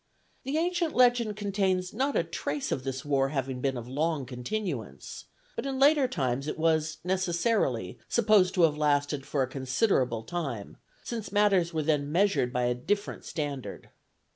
The ancient legend contains not a trace of this war having been of long continuance; but in later times it was necessarily supposed to have lasted for a considerable time, since matters were then measured by a different standard.